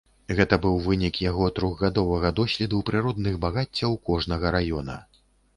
Гэта быў вынік яго трохгадовага доследу прыродных багаццяў кожнага раёна.